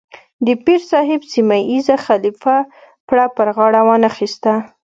د پیر صاحب سیمه ییز خلیفه پړه پر غاړه وانه اخیسته.